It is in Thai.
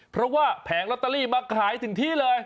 เพราะว่าแผงลอตเตอรี่มาขายถึงที่เลย